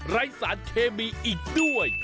สารเคมีอีกด้วย